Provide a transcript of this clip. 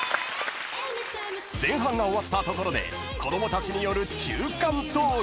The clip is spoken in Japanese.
［前半が終わったところで子供たちによる中間投票］